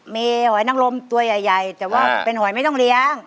มีหอยนังลมตัวใหญ่แต่ว่าเป็นหอยไม่ต้องเลี้ยง